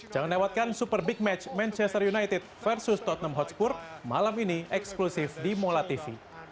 jangan lewatkan super big match manchester united versus tottenham hotspur malam ini eksklusif di mola tv